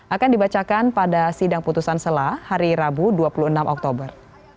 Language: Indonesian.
akan dibacakan pada sidang putusan selah hari rabu dua puluh enam oktober